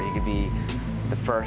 dia bisa menjadi